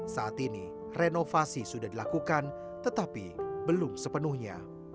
saat ini renovasi sudah dilakukan tetapi belum sepenuhnya